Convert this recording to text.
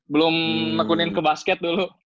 belum nekunin ke basket dulu